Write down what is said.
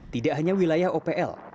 tidak hanya wilayah opl